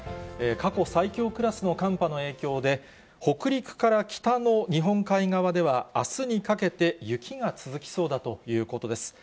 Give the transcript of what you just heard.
過去最強クラスの寒波の影響で、北陸から北の日本海側では、あすにかけて雪が続きそうだということです。